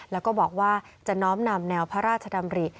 แล้วก็บอกว่าจะน้อมนำแนวพระราชดำริ